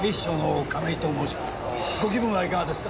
ご気分はいかがですか？